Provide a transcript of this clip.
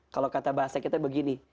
kalau kata bahasa kita begini